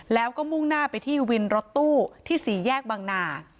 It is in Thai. แล้วก็มุ่งหน้าไปที่วินรถตู้ที่๔แยกบังนา